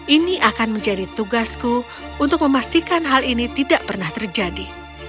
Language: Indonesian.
ini akan menjadi tugasku untuk memastikan hal ini tidak pernah terjadi